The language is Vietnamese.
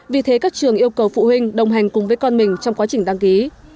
vì thế các trường yêu cầu phụ huynh đồng hành cùng với con mình trong quá trình đăng ký